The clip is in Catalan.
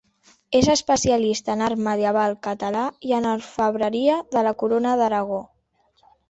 És especialista en art medieval català i en orfebreria de la Corona d'Aragó.